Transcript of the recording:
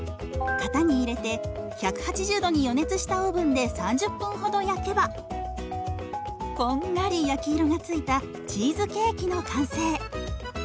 型に入れて１８０度に予熱したオーブンで３０分ほど焼けばこんがり焼き色がついたチーズケーキの完成。